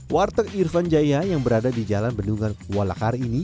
warteg irfan jaya yang berada di jalan bendungan kualakar ini